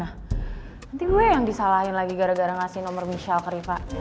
nanti gue yang disalahin lagi gara gara ngasih nomor michel ke riva